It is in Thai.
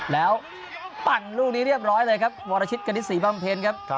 แล้วปั่นลูกนี้เรียบร้อยเลยครับวรชิตกณิตศรีบำเพ็ญครับ